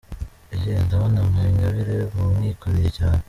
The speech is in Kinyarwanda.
Ehhh! Ndabona Mme Ingabire mumwikoreye cyane.